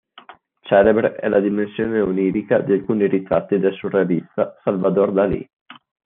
Celebre è la dimensione onirica di alcuni ritratti del surrealista Salvador Dalí.